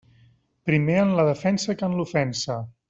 Primer en la defensa que en l'ofensa.